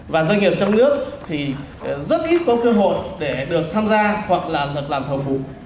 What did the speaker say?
và doanh nghiệp trong nước thì rất ít có cơ hội để được tham gia hoặc là được làm thảo phủ